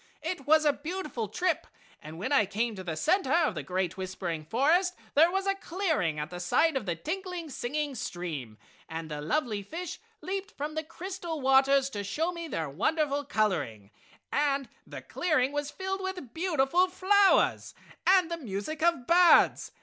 It was a beautiful trip and when I came to the center of the great whispering forest there was a clearing at the side of the tinkling, singing stream, and the lovely fish leaped from the crystal waters and showed me their wonderful coloring, and the clearing was filled with beautiful flowers and the music of birds.